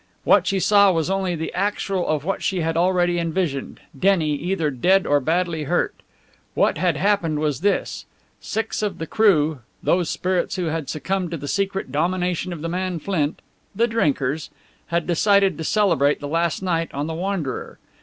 What she saw was only the actual of what she had already envisaged Denny, either dead or badly hurt! What had happened was this: Six of the crew, those spirits who had succumbed to the secret domination of the man Flint the drinkers had decided to celebrate the last night on the Wanderer.